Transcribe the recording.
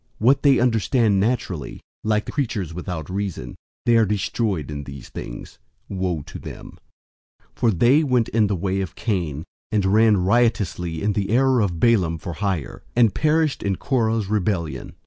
What they understand naturally, like the creatures without reason, they are destroyed in these things. 001:011 Woe to them! For they went in the way of Cain, and ran riotously in the error of Balaam for hire, and perished in Korah's rebellion.